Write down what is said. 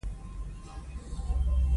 زما انډیوال ناروغ دی.